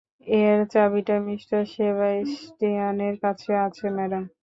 এর চাবিটা মিঃ সেবাস্টিয়ানের কাছে আছে, ম্যাডাম।